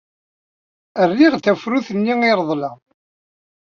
Rriɣ-d tafrut-nni ay reḍleɣ.